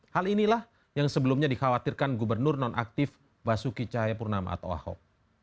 hal inilah yang sebelumnya dikhawatirkan gubernur nonaktif basuki cahayapurnama atau ahok